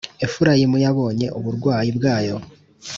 Efurayimu yabonye uburwayi bwayo,